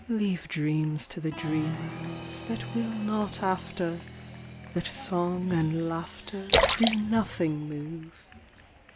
Leave dreams to the dreamers That will not after, That song and laughter Do nothing move.